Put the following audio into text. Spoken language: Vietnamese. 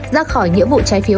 ra khỏi nghĩa vụ trái phiếu